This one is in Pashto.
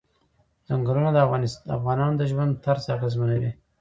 ځنګلونه د افغانانو د ژوند طرز اغېزمنوي.